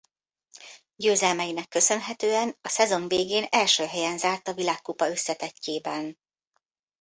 Győzelmeinek köszönhetően a szezon végén első helyen zárt a világkupa összetettjében.